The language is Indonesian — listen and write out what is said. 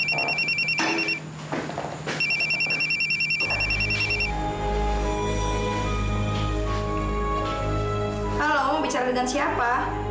halo bicara dengan siapa